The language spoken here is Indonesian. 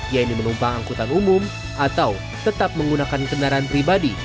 yaitu menumpang angkutan umum atau tetap menggunakan kendaraan pribadi